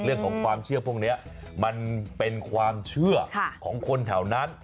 เรื่องของความเชื่อพวกนี้มันเป็นความเชื่อของคนแถวนั้น